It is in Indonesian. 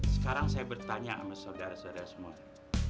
sekarang saya bertanya sama saudara saudara semuanya